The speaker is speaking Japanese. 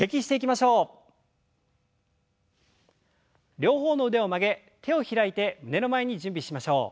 両方の腕を曲げ手を開いて胸の前に準備しましょう。